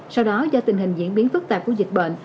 sau đó do tình hình diễn biến phức tạp của dịch bệnh